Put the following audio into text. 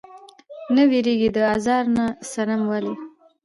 نۀ ويريږي د ازار نه صنم ولې؟